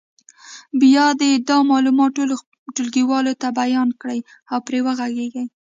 بیا دې دا معلومات خپلو ټولګیوالو ته بیان کړي او پرې وغږېږي.